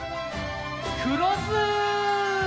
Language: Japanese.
くろず！